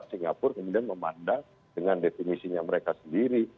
singapura kemudian memandang dengan definisinya mereka sendiri